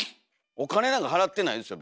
お金なんか払ってないですよ